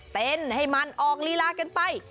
เต้นให้มันออกลีลากันไป